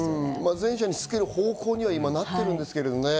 全車につける方向にはなってるんですけどね。